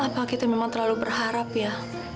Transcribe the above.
apa kita memang terlalu berharap ya